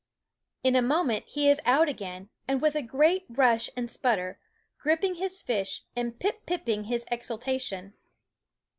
In a moment he is out again, with a great rush and sputter, gripping his fish and pip pipping his exultation.